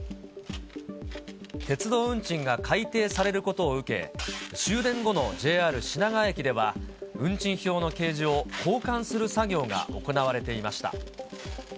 鉄道運賃が改定されることを受け、終電後のＪＲ品川駅では、運賃表の掲示を交換する作業が行われていました。